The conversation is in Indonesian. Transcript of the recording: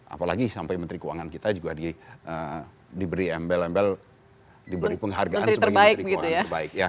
apalagi sampai menteri keuangan kita juga diberi embel embel diberi penghargaan sebagai menteri keuangan terbaik